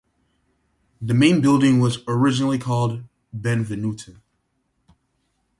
The main building was originally called Benvenuta.